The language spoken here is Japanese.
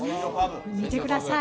見てください。